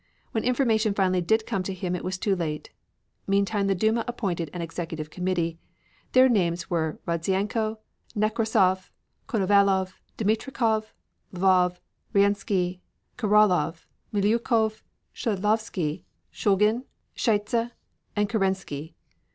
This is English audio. When information finally did come to him it was too late. Meantime the Duma appointed an executive committee. Their names were Rodzianko, Nekrasov, Konovalov, Dmitrikov, Lvov, Rjenski, Karaulov, Miliukov, Schledlovski, Schulgin, Tcheidze and Kerensky.